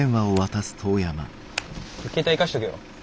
携帯生かしとけよ。